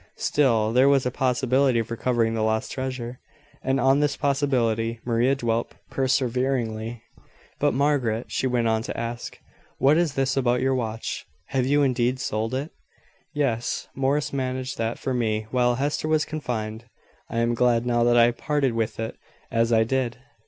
Still, there was a possibility of recovering the lost treasure; and on this possibility Maria dwelt perseveringly. "But, Margaret," she went on to ask, "what is this about your watch? Have you indeed sold it?" "Yes. Morris managed that for me while Hester was confined. I am glad now that I parted with it as I did.